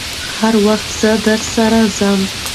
که وخت وي، زه درسره ځم.